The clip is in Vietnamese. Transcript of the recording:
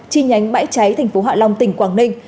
chi nhánh bãi cháy tp hạ long tỉnh quảng ninh